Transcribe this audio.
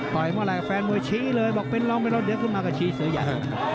ต่อยเมื่อไหร่กับแฟนมวยชี้เลยบอกเป็นรองไปแล้วเดี๋ยวขึ้นมากับชี้เสือใหญ่